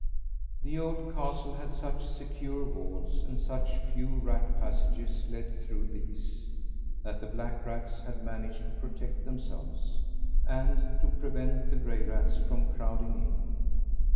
The old castle had such secure walls and such few rat passages led through these, that the black rats had managed to protect themselves, and to prevent the gray rats from crowding in.